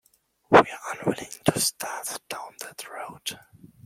We are unwilling to start down that road.